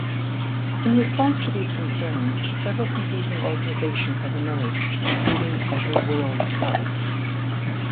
In response to these concerns, several competing organizations have emerged, including Better World Club.